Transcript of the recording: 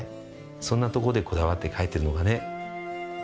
そんなところでこだわって描いてるのがね。